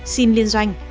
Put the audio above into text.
xin liên doanh